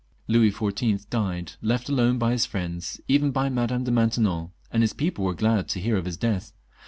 Louis XIV. died, l^ft alone by his friends, even by Madame de Main tenon, and his people were glad to hear of his death.